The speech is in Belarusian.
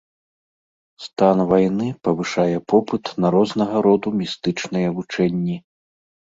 Стан вайны павышае попыт на рознага роду містычныя вучэнні.